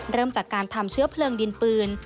เริ่มจากการทำเชื้อเพลิงดินปืน